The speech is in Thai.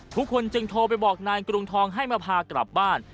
ทุกคนจึงโทรไปบอกนายกรุงทองให้มาพากลับบ้าน